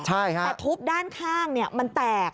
แต่ทุบด้านข้างมันแตก